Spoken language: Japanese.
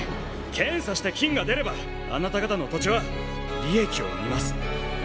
検査して金が出ればあなた方の土地は利益を生みます。